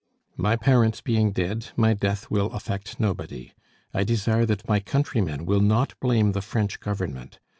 "My parents being dead, my death will affect nobody. I desire that my countrymen will not blame the French Government.